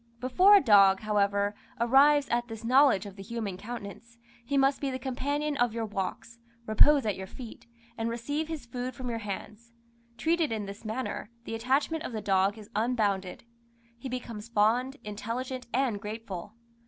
Before a dog, however, arrives at this knowledge of the human countenance, he must be the companion of your walks, repose at your feet, and receive his food from your hands: treated in this manner, the attachment of the dog is unbounded; he becomes fond, intelligent, and grateful.